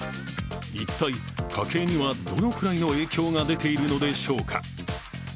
一体、家計にはどのくらいの影響が出ているのでしょうか。